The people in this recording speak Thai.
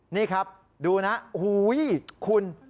นี่ครับดูนะโอ้โหคุณ